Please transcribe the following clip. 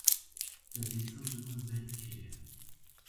Te dîsa ziman zeyt kiriye